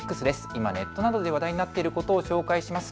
今ネットなどで話題になっていることを紹介します。